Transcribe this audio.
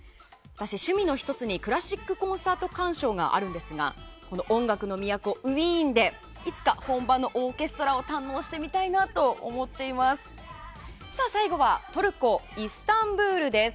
私、趣味の１つにクラシックコンサート鑑賞があるんですが音楽の都ウィーンでいつか本場のオーケストラを堪能してみたいなと思っています。